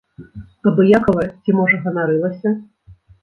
Абыякава ці, можа, ганарылася?